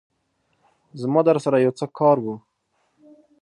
زما درسره يو څه کار وو